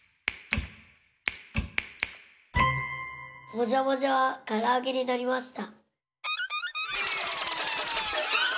もじゃもじゃはからあげになりました。